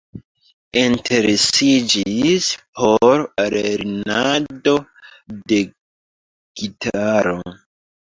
Interesiĝis por lernado de gitaro.